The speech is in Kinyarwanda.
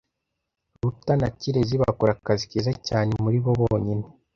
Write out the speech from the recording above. Ruta na Kirezi bakora akazi keza cyane muribo bonyine.